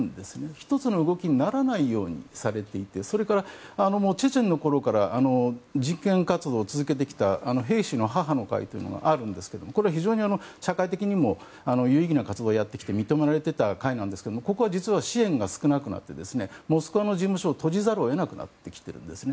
１つの動きにならないようにされていてそれから、チェチェンのころから人権活動を続けてきた兵士の母の会があるんですがこれは非常に社会的にも有意義な活動をやってきて認められていた会ですがここは支援が少なくなりモスクワの事務所を閉じざるを得なくなってきてるんですね。